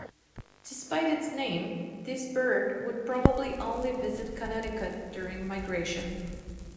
Despite its name, this bird would probably only visit Connecticut during migration.